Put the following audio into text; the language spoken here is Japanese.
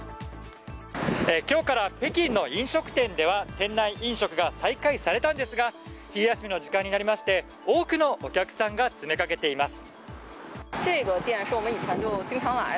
今日から北京の飲食店では店内飲食が再開されたんですが昼休みの時間になりまして多くのお客さんが詰めかけています。